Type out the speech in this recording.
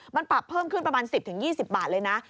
มันปรับเพิ่มขึ้นประมาณ๑๐๒๐บาทเลยนะ